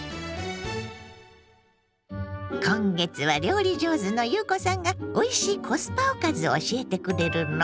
今月は料理上手の裕子さんがおいしいコスパおかずを教えてくれるの。